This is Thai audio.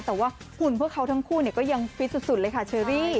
แต่ว่าหุ่นพวกเขาทั้งคู่ก็ยังฟิตสุดเลยค่ะเชอรี่